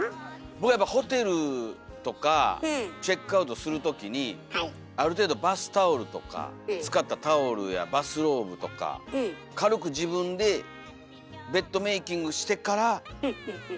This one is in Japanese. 僕はホテルとかチェックアウトするときにある程度バスタオルとか使ったタオルやバスローブとか軽く自分でベッドメーキングしてから帰るっていう。